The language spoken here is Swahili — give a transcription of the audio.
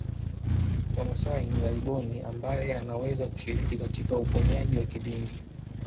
Wamasai ni laibon ambaye anaweza kushiriki katika uponyaji wa kidini